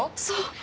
そう。